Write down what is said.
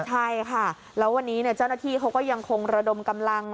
ใช่ค่ะแล้ววันนี้เจ้าหน้าที่เขาก็ยังคงระดมกำลัง